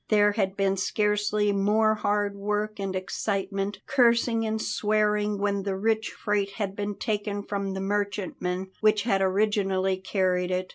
There had been scarcely more hard work and excitement, cursing and swearing when the rich freight had been taken from the merchantmen which had originally carried it.